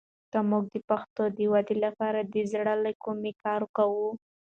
موږ د پښتو د ودې لپاره د زړه له کومې کار کوو.